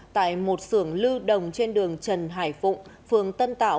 tại một sưởng lưu đồng trên đường trần hải phụng phường tân tạo